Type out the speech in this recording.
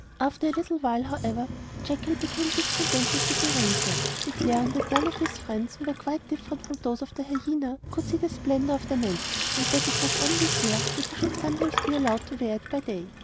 After a little while, however, the jackal became discontented with this arrangement, declaring that none of his friends, who were quite different from those of the hyena, could see the splendour of the mantle, and that it was only fair that he should sometimes be allowed to wear it by day.